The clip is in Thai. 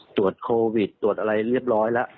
ตรวจโควิดตรวจอะไรเรียบร้อยแล้ว